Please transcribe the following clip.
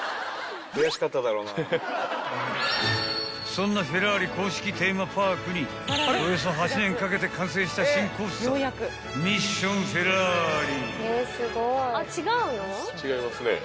［そんなフェラーリ公式テーマパークにおよそ８年かけて完成した新コースターミッション・フェラーリ］